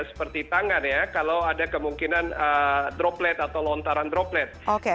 seperti tangan ya kalau ada kemungkinan droplet atau lontaran droplet